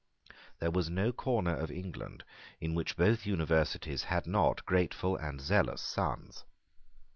There was no corner of England in which both Universities had not grateful and zealous sons.